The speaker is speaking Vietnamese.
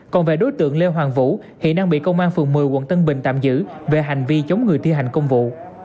còn về đối tượng lê hoàng vũ hiện đang bị công an phường một mươi quận tân bình tạm giữ về hành vi chống người thi hành công vụ